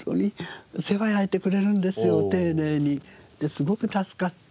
すごく助かって。